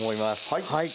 はい。